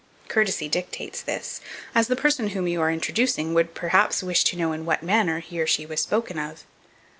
Courtesy dictates this, as the person whom you are introducing would, perhaps, wish to know in what manner he or she was spoken of.